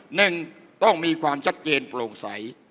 หนึ่งต้องมีความชัดเจนโปร่งใส